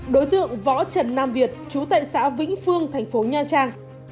đối tượng võ trần nam việt chú tệ xã vĩnh phương thành phố nha trang